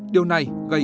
điều này gần như thế này